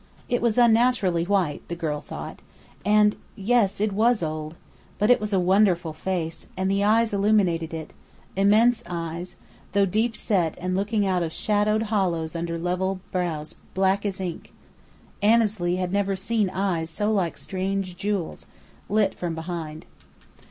It was unnaturally white, the girl thought, and yes, it was old! But it was a wonderful face, and the eyes illumined it; immense eyes, though deepset and looking out of shadowed hollows under level brows black as ink. Annesley had never seen eyes so like strange jewels, lit from behind.